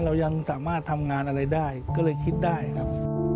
เรายังสามารถทำงานอะไรได้ก็เลยคิดได้ครับ